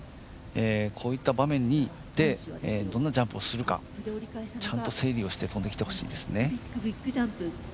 こういった場面でどんなジャンプをするかちゃんと整理をして飛んできてほしいですね。